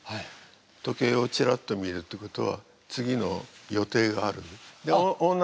時計をチラッと見るってことは次の予定がある。